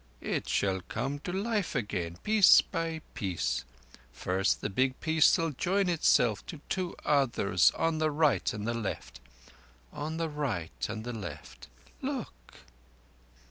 It shall come to life again, piece by piece. First the big piece shall join itself to two others on the right and the left—on the right and the left. Look!"